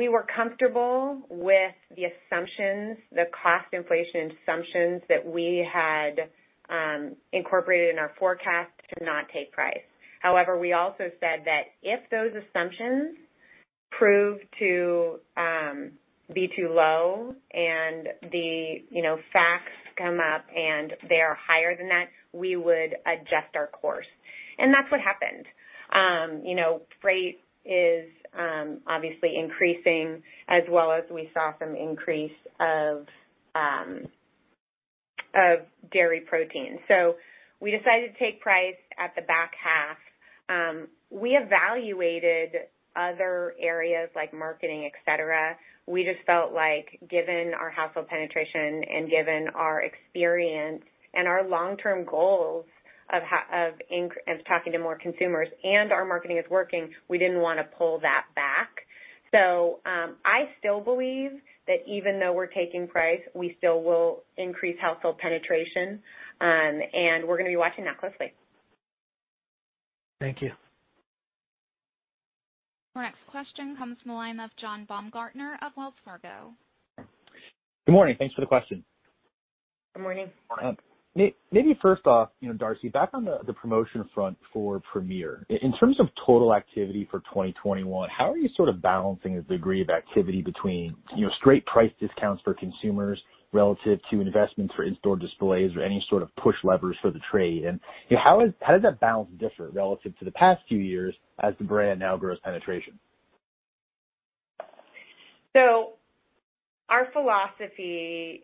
Speaker 3: were comfortable with the assumptions, the cost inflation assumptions that we had incorporated in our forecast to not take price. We also said that if those assumptions prove to be too low and the facts come up and they are higher than that, we would adjust our course. That's what happened. Freight is obviously increasing as well as we saw some increase of dairy protein. We decided to take price at the back half. We evaluated other areas like marketing, et cetera. We just felt like given our household penetration and given our experience and our long-term goals of talking to more consumers and our marketing is working, we didn't want to pull that back. I still believe that even though we're taking price, we still will increase household penetration, and we're going to be watching that closely.
Speaker 14: Thank you.
Speaker 1: Our next question comes from the line of John Baumgartner of Wells Fargo.
Speaker 15: Good morning. Thanks for the question.
Speaker 3: Good morning.
Speaker 15: Maybe first off, Darcy, back on the promotion front for Premier. In terms of total activity for 2021, how are you sort of balancing the degree of activity between straight price discounts for consumers relative to investments for in-store displays or any sort of push levers for the trade, and how does that balance differ relative to the past few years as the brand now grows penetration?
Speaker 3: Our philosophy,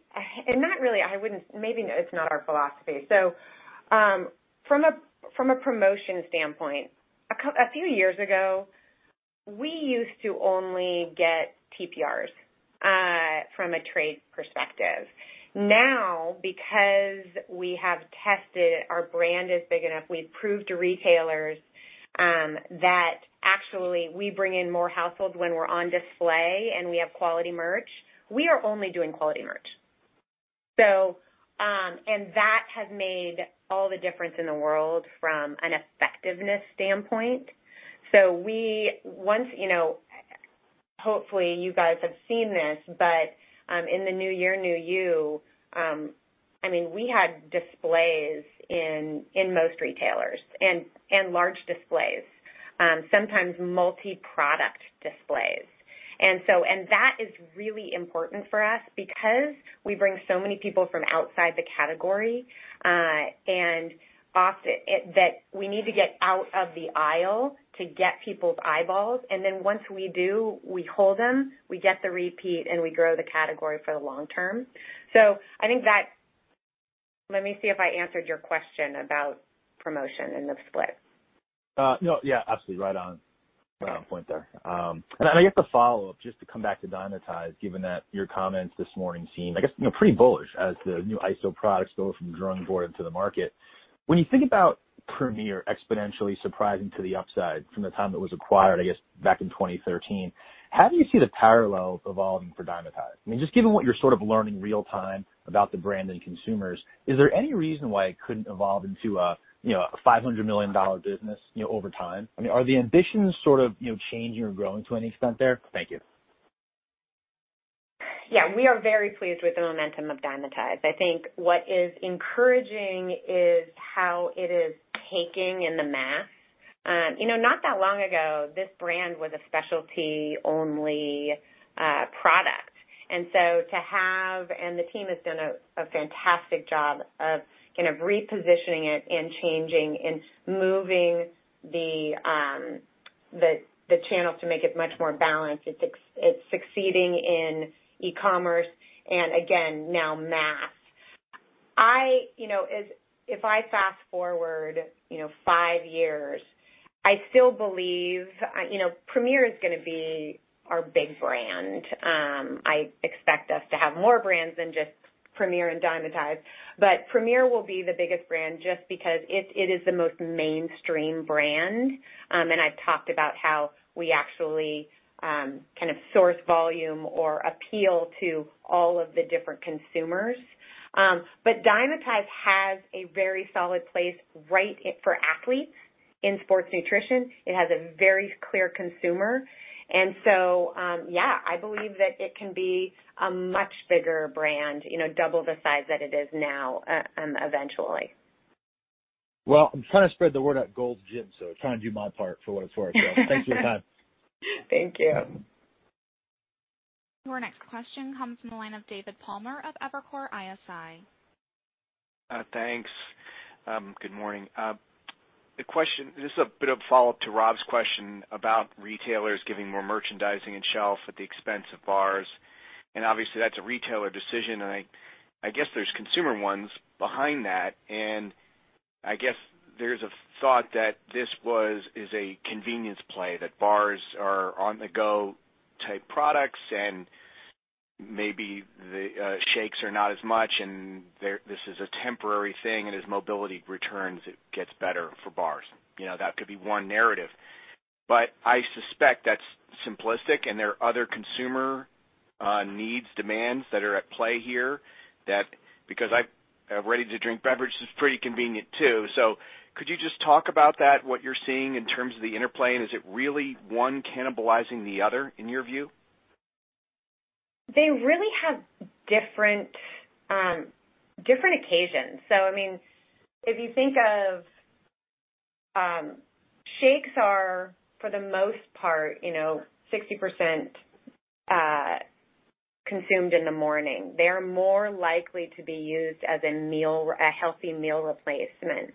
Speaker 3: maybe it's not our philosophy. From a promotion standpoint, a few years ago, we used to only get TPRs from a trade perspective. Because we have tested, our brand is big enough, we've proved to retailers that actually we bring in more households when we're on display and we have quality merch. We are only doing quality merch. That has made all the difference in the world from an effectiveness standpoint. Hopefully, you guys have seen this, but in the New Year, New You, we had displays in most retailers, and large displays, sometimes multi-product displays. That is really important for us because we bring so many people from outside the category, that we need to get out of the aisle to get people's eyeballs. Once we do, we hold them, we get the repeat, and we grow the category for the long term. Let me see if I answered your question about promotion and the split.
Speaker 15: Yeah, absolutely. Right on point there. I guess a follow-up, just to come back to Dymatize, given that your comments this morning seem, I guess, pretty bullish as the new ISO products go from drawing board into the market. When you think about Premier exponentially surprising to the upside from the time it was acquired, I guess, back in 2013, how do you see the parallels evolving for Dymatize? I mean, just given what you're sort of learning real time about the brand and consumers, is there any reason why it couldn't evolve into a $500 million business over time? Are the ambitions sort of changing or growing to any extent there? Thank you.
Speaker 3: Yeah. We are very pleased with the momentum of Dymatize. I think what is encouraging is how it is taking in the mass. Not that long ago, this brand was a specialty-only product. The team has done a fantastic job of kind of repositioning it and changing and moving the channels to make it much more balanced. It's succeeding in e-commerce and again now mass. If I fast forward five years, I still believe Premier is going to be our big brand. I expect us to have more brands than just Premier and Dymatize. Premier will be the biggest brand just because it is the most mainstream brand, and I've talked about how we actually kind of source volume or appeal to all of the different consumers. Dymatize has a very solid place for athletes in sports nutrition. It has a very clear consumer. Yeah, I believe that it can be a much bigger brand, double the size that it is now, eventually.
Speaker 15: Well, I'm trying to spread the word at Gold's Gym, so trying to do my part for what it's worth. Thanks for your time.
Speaker 3: Thank you.
Speaker 1: Your next question comes from the line of David Palmer of Evercore ISI.
Speaker 16: Thanks. Good morning. This is a bit of a follow-up to Rob's question about retailers giving more merchandising and shelf at the expense of bars, and obviously that's a retailer decision, and I guess there's consumer ones behind that. I guess there's a thought that this is a convenience play, that bars are on-the-go type products and maybe the shakes are not as much, and this is a temporary thing, and as mobility returns, it gets better for bars. That could be one narrative. I suspect that's simplistic and there are other consumer needs, demands that are at play here that, because a ready-to-drink beverage is pretty convenient, too. Could you just talk about that, what you're seeing in terms of the interplay, and is it really one cannibalizing the other in your view?
Speaker 3: They really have different occasions. If you think of, shakes are, for the most part, 60% consumed in the morning. They're more likely to be used as a healthy meal replacement.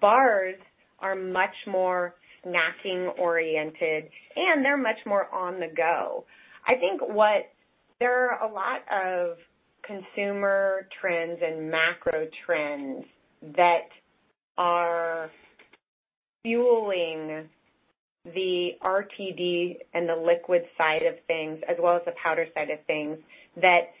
Speaker 3: Bars are much more snacking oriented, and they're much more on the go. I think there are a lot of consumer trends and macro trends that are fueling the RTD and the liquid side of things, as well as the powder side of things, that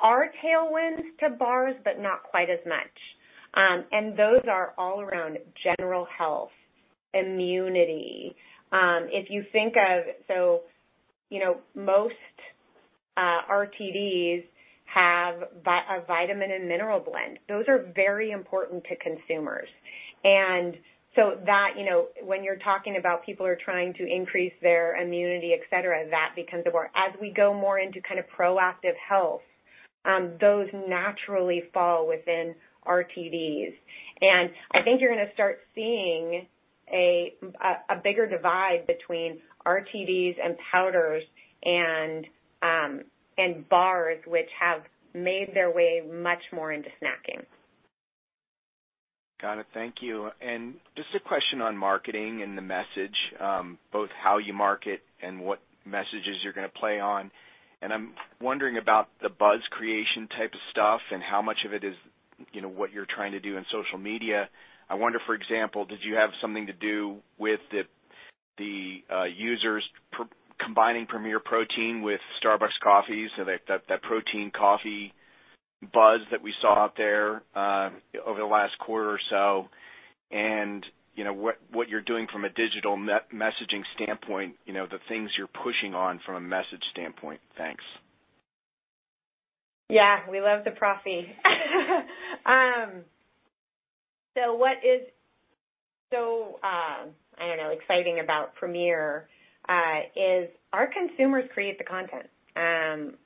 Speaker 3: are tailwinds to bars, but not quite as much. Those are all around general health, immunity. Most RTDs have a vitamin and mineral blend. Those are very important to consumers. When you're talking about people are trying to increase their immunity, et cetera, that becomes important. As we go more into kind of proactive health, those naturally fall within RTDs. I think you're going to start seeing a bigger divide between RTDs and powders and bars, which have made their way much more into snacking.
Speaker 16: Got it. Thank you. Just a question on marketing and the message, both how you market and what messages you're going to play on. I'm wondering about the buzz creation type of stuff and how much of it is what you're trying to do in social media. I wonder, for example, did you have something to do with the users combining Premier Protein with Starbucks coffee, so that Proffee buzz that we saw out there over the last quarter or so? What you're doing from a digital messaging standpoint, the things you're pushing on from a message standpoint. Thanks.
Speaker 3: Yeah. We love the Proffee. What is so exciting about Premier is our consumers create the content.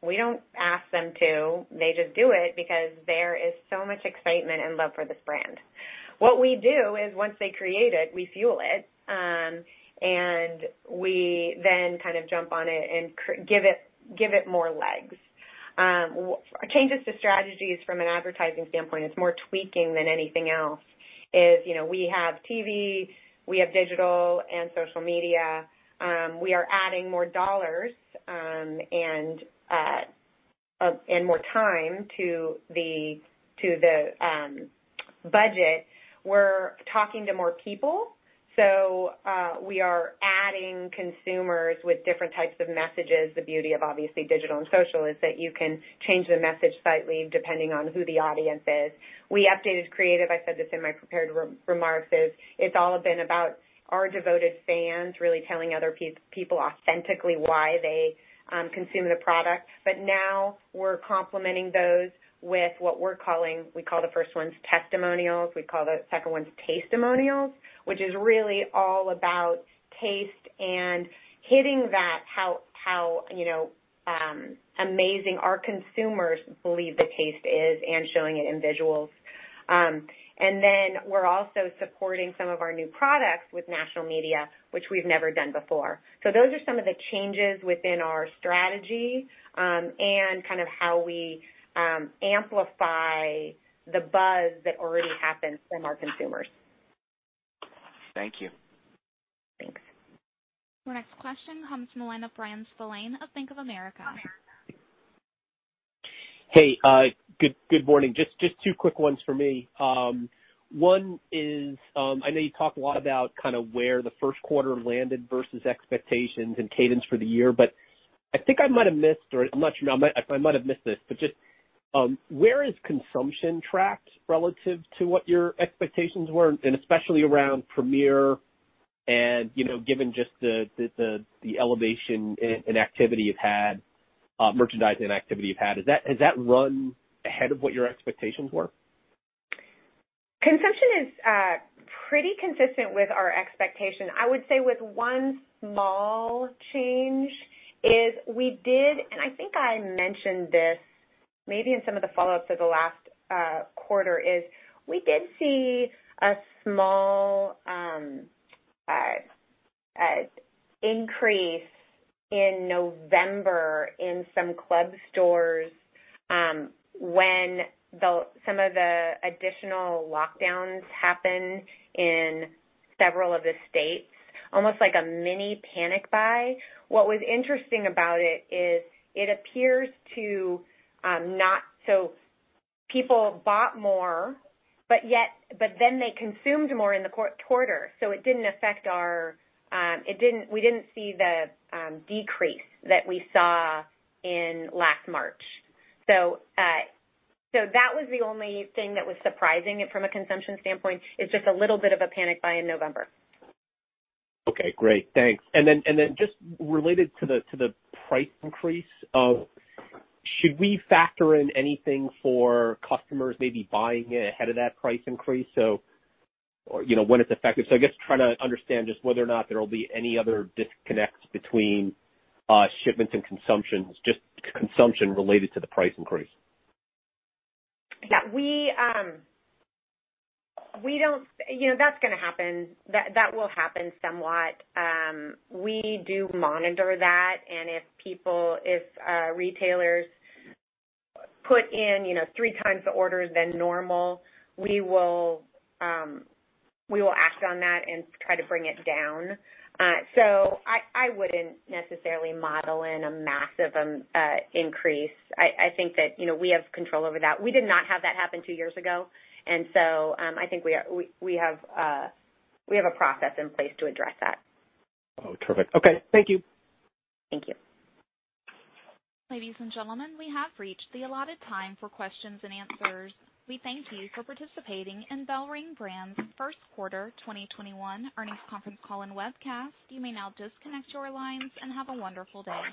Speaker 3: We don't ask them to. They just do it because there is so much excitement and love for this brand. What we do is once they create it, we fuel it. We then jump on it and give it more legs. Changes to strategies from an advertising standpoint, it's more tweaking than anything else, is we have TV, we have digital and social media. We are adding more dollars and more time to the budget. We're talking to more people. We are adding consumers with different types of messages. The beauty of, obviously, digital and social is that you can change the message slightly depending on who the audience is. We updated creative. I said this in my prepared remarks, is it's all been about our devoted fans really telling other people authentically why they consume the product. Now we're complementing those with what we call the first ones testimonials. We call the second ones taste-monials, which is really all about taste and hitting that how amazing our consumers believe the taste is and showing it in visuals. We're also supporting some of our new products with national media, which we've never done before. Those are some of the changes within our strategy and how we amplify the buzz that already happens from our consumers.
Speaker 16: Thank you.
Speaker 3: Thanks.
Speaker 1: Our next question comes from the line of Bryan Spillane of Bank of America.
Speaker 17: Hey, good morning. Just two quick ones for me. One is, I know you talked a lot about where the first quarter landed versus expectations and cadence for the year, but I think I might have missed this, but just where is consumption tracked relative to what your expectations were? Especially around Premier and given just the elevation in activity you've had, merchandising activity you've had, has that run ahead of what your expectations were?
Speaker 3: Consumption is pretty consistent with our expectation. I would say with one small change is we did, and I think I mentioned this maybe in some of the follow-ups of the last quarter, is we did see a small increase in November in some club stores when some of the additional lockdowns happened in several of the states, almost like a mini panic buy. What was interesting about it is it appears people bought more, but then they consumed more in the quarter, so we didn't see the decrease that we saw in last March. That was the only thing that was surprising from a consumption standpoint, is just a little bit of a panic buy in November.
Speaker 17: Okay, great. Thanks. Then just related to the price increase, should we factor in anything for customers maybe buying ahead of that price increase when it's effective? I guess trying to understand just whether or not there'll be any other disconnects between shipments and consumption related to the price increase.
Speaker 3: Yeah. That's going to happen. That will happen somewhat. If retailers put in three times the orders than normal, we will act on that and try to bring it down. I wouldn't necessarily model in a massive increase. I think that we have control over that. We did not have that happen two years ago, I think we have a process in place to address that.
Speaker 17: Oh, terrific. Okay. Thank you.
Speaker 3: Thank you.
Speaker 1: Ladies and gentlemen, we have reached the allotted time for questions and answers. We thank you for participating in BellRing Brands' first quarter 2021 earnings conference call and webcast. You may now disconnect your lines and have a wonderful day.